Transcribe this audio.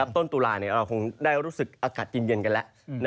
ต้นตุลาคงได้รู้สึกอากาศยิ่งเย็นกันแล้ว